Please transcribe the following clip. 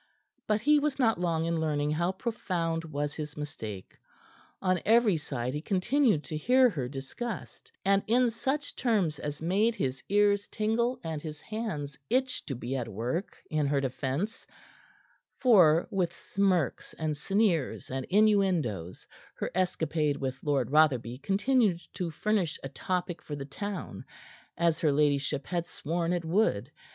But he was not long in learning how profound was his mistake. On every side he continued to hear her discussed, and in such terms as made his ears tingle and his hands itch to be at work in her defence; for, with smirks and sneers and innuendoes, her escapade with Lord Rotherby continued to furnish a topic for the town as her ladyship had sworn it would.